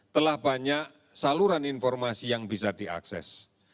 telah banyak saluran informasi yang bisa diakses